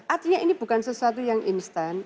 artinya ini bukan sesuatu yang instan